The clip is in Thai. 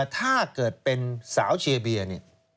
ถ้าเกิดเป็นสาวเชียร์เบียร์เนี่ย